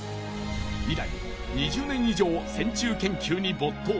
以来２０年以上線虫研究に没頭。